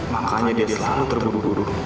makanya dia selalu terburu buru